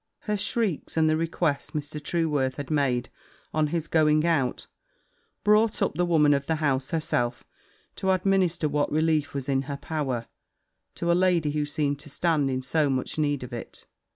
Her shrieks, and the request Mr. Trueworth had made on his going out, brought up the woman of the house herself, to administer what relief was in her power to a lady who seemed to stand in so much need of it.